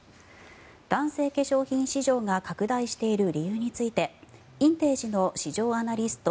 男性化粧品市場が拡大している理由についてインテージの市場アナリスト